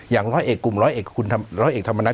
อย่างร้อยเอกกลุ่มร้อยเอกธรรมนัก